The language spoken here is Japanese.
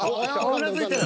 うなずいてる。